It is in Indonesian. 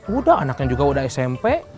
udah anaknya juga udah smp